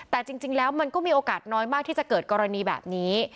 แต่จริงแล้วมันก็มีโอกาสน้อยมากที่จะเกิดกรณีแบบนี้